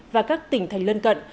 và các tỉnh thành lân cận